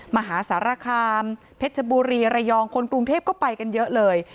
มหาสารคามเพชรบุรีระยองคนกรุงเทพก็ไปกันเยอะเลย